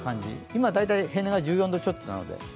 今大体平年が１４度ちょっとなので。